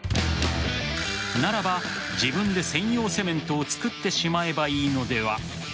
ならば、自分で専用セメントを作ってしまえばいいのでは。